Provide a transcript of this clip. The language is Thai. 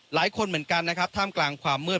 หลายคนเหมือนกันนะครับท่ามกลางความมืด